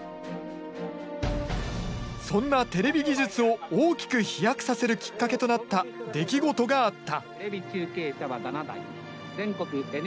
そんなテレビ技術を大きく飛躍させるきっかけとなった出来事があった。